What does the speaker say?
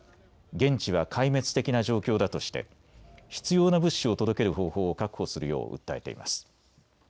現地は壊滅的な状況だとして必要な物資を届ける方法を確保するよう訴えています。